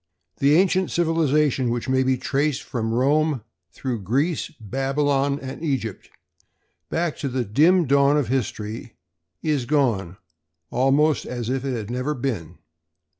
The ancient civilization, which may be traced from Rome through Greece, Babylon and Egypt back to the dim dawn of history, is gone almost as if it had never been.